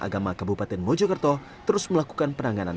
agama kabupaten mojokerto terus melakukan penanganan